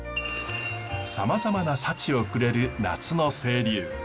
さまざまな幸をくれる夏の清流。